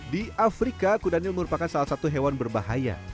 di afrika kudanil merupakan salah satu hewan berbahaya